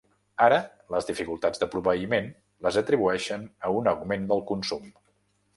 Ara, les dificultats de proveïment les atribueixen a un augment del consum.